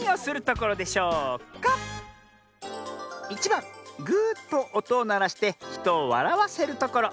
１ばん「ぐとおとをならしてひとをわらわせるところ」。